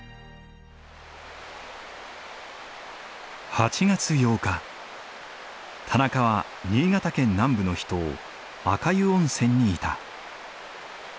８月８日田中は新潟県南部の秘湯赤湯温泉にいた。